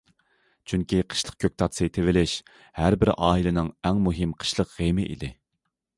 چۈنكى قىشلىق كۆكتات سېتىۋېلىش ھەر بىر ئائىلىنىڭ ئەڭ مۇھىم قىشلىق غېمى ئىدى.